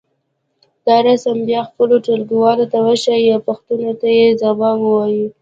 دا رسم بیا خپلو ټولګيوالو ته وښیئ او پوښتنو ته یې ځواب ووایئ.